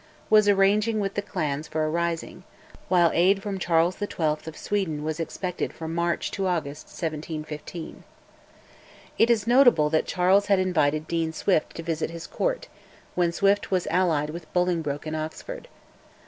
was arranging with the clans for a rising, while aid from Charles XII. of Sweden was expected from March to August 1715. It is notable that Charles had invited Dean Swift to visit his Court, when Swift was allied with Bolingbroke and Oxford.